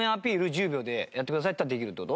１０秒でやってくださいって言ったらできるって事？